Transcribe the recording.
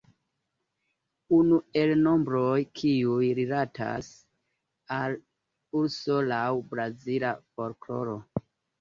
Unu el nombroj kiuj rilatas al urso laŭ brazila folkloro.